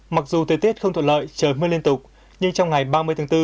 mặc dù thời tiết không thuận lợi trời mưa liên tục nhưng trong ngày ba mươi tháng bốn